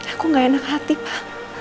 aku gak enak hati pak